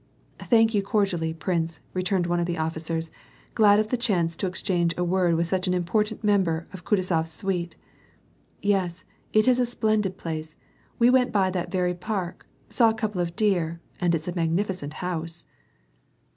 " Thank you cordially, prince," returned one of the officers, glad of the chance to exchange a word with such an important member of Kutuzof's suite. " Yes, it's a splendid place. We went by that very park, saw a couple of deer — and it's a mag nificent house